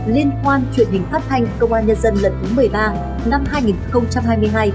liên quan truyền hình phát thanh công an nhân dân lần thứ một mươi ba năm hai nghìn hai mươi hai